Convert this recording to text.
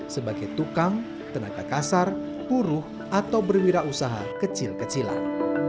sebagai tukang tenaga kasar buruh atau berwirausaha kecil kecilan